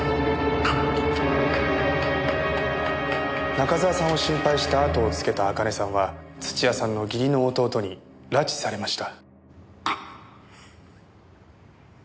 中沢さんを心配してあとをつけた茜さんは土屋さんの義理の弟に拉致されました。